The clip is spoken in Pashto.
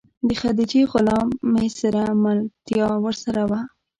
د خدیجې غلام میسره ملتیا ورسره وه.